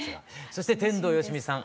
そして天童よしみさん